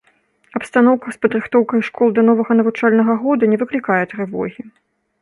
Абстаноўка з падрыхтоўкай школ да новага навучальнага года не выклікае трывогі.